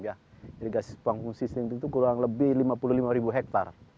irigasi sekampung sistem itu kurang lebih lima puluh lima ribu hektar